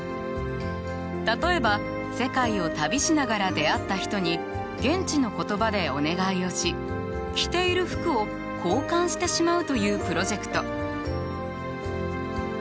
例えば世界を旅しながら出会った人に現地の言葉でお願いをし着ている服を交換してしまうというプロジェクト。